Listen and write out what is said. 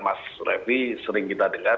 mas revie sering kita dengar